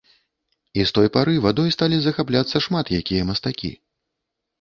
І з той пары вадой сталі захапляцца шмат якія мастакі.